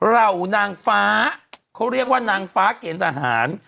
เหล่านางฟ้าเขาเรียกว่านางฟ้าเกณฑ์ทหาร